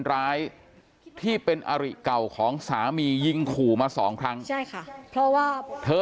ร้ายที่เป็นอริเก่าของสามียิงขู่มาสองครั้งใช่ค่ะเพราะว่าเธอ